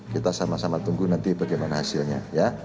kita sama sama tunggu nanti bagaimana hasilnya ya